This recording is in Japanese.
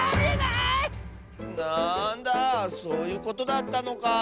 なんだそういうことだったのか。